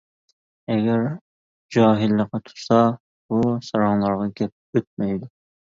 ئەگەر جاھىللىقى تۇتسا بۇ ساراڭلارغا گەپ ئۆتمەيدۇ.